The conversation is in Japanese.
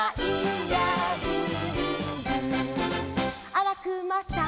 「あらくまさん」